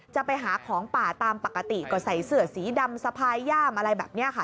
จะไปหาของป่าตามปกติก็ใส่เสื้อสีดำสะพายย่ามอะไรแบบนี้ค่ะ